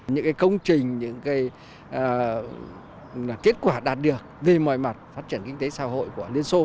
những cái công trình những cái kết quả đạt được về mọi mặt phát triển kinh tế xã hội của lenin sô